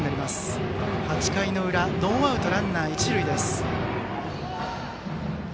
８回の裏ノーアウトランナー、一塁です。